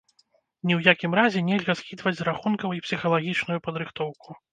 Ні ў якім разе нельга скідваць з рахункаў і псіхалагічную падрыхтоўку.